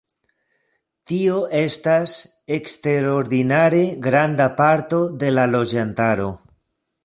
Tio estas eksterordinare granda parto de la loĝantaro.